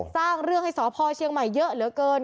สร้างเรื่องให้สพเชียงใหม่เยอะเหลือเกิน